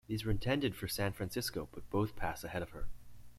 These were intended for "San Francisco", but both passed ahead of her.